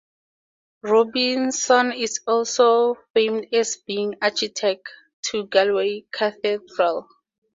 Robinson is also famed as being Architect to Galway Cathedral.